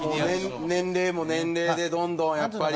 年齢も年齢でどんどんやっぱり。